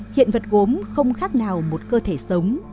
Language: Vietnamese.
hiện vật gốm không khác nào một cơ thể sống